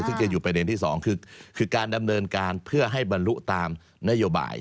ซึ่งจะอยู่ประเด็นที่สองคือการดำเนินการเพื่อให้บรรลุตามนโยบาย